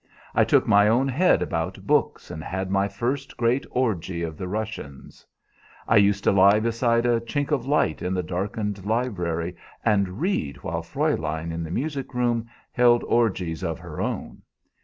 I took my own head about books, and had my first great orgy of the Russians. I used to lie beside a chink of light in the darkened library and read while Fräulein in the music room held orgies of her own.